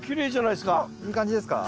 いい感じですか？